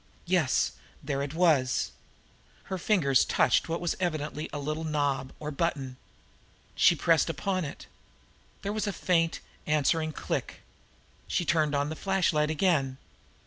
Yes, there it was! Her fingers touched what was evidently a little knob or button. She pressed upon it. There was a faint, answering click. She turned on the flashlight again.